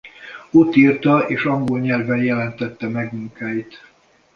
Ott írta és angol nyelven jelentette meg munkáit.